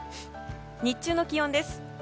日中の気温です。